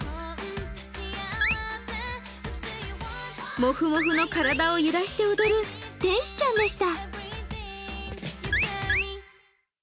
モフモフの体を揺らして踊る天使ちゃんでした。